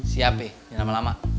siap bi jangan lama lama